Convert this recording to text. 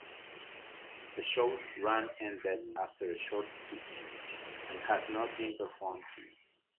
The show's run ended after a short season, and has not been performed since.